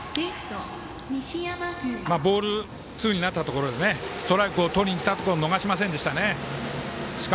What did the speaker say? ボールツーになったところでストレートをとりにきたところを逃しませんでした。